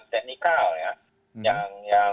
bukan teknikal ya